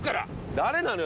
誰なのよ？